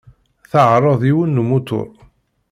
Teɛreḍ yiwen n umutur.